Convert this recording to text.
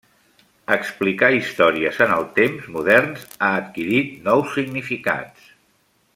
Explicar històries en els temps moderns ha adquirit nous significats.